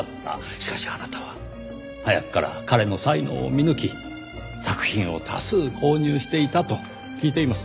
しかしあなたは早くから彼の才能を見抜き作品を多数購入していたと聞いています。